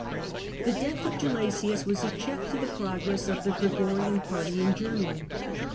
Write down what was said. The death of Gelasius was a check to the progress of the Gregorian party in Germany.